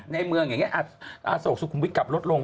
ในเมืองอย่างนี้อโศกสุขุมวิทย์กลับลดลง